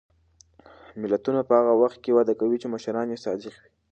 ملتونه په هغه وخت کې وده کوي چې مشران یې صادق وي.